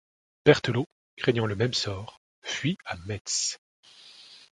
Berthelot, craignant le même sort, fuit à Metz.